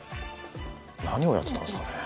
何をやってたんですかね？